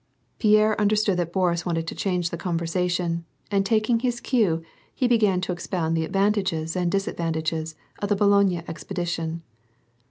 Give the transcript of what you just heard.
Pierre understood that Boris wanted to change the conversa tion, and taking his cue he began to expound the advantages and disadvantages of the Boulogne expedition.